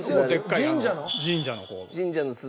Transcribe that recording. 神社の鈴。